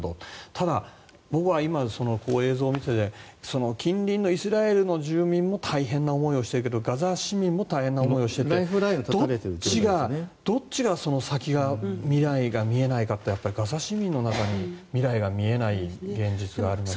ただ、僕は今映像を見ていて近隣のイスラエルの住民も大変な思いをしているけどガザ市民も大変な思いをしていてどっちが未来が見えないかというとガザ市民の中に未来が見えない現実があるのは。